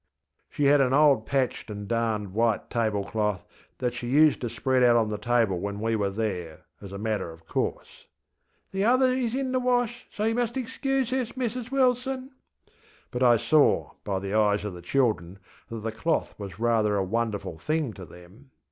She had an old patched and darned white table cloth that she used to spread on the table when we were there, as a matter of course (ŌĆśThe others is in the wash, so you must excuse this, Mrs WilsonŌĆÖ), but I saw by the eyes of the children that the cloth was rather a wonderful thing to them.